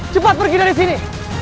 cepat pergi dari sini